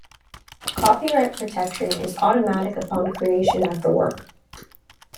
Copyright protection is automatic upon creation of the work.